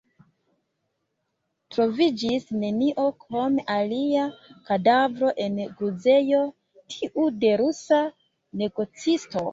Troviĝis nenio krom alia kadavro en gruzejo, tiu de rusa negocisto.